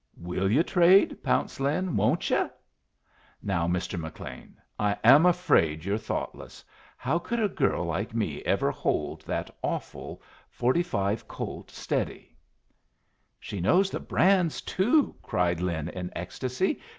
"Will yu' trade?" pounced Lin. "Won't yu'?" "Now, Mr. McLean, I am afraid you're thoughtless. How could a girl like me ever hold that awful.45 Colt steady?" "She knows the brands, too!" cried Lin, in ecstasy.